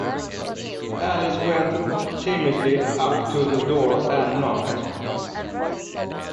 Alice went timidly up to the door, and knocked.